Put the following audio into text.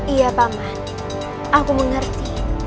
iya paman aku mengerti